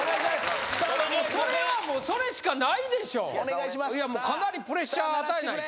これはもうそれしかないでしょお願いします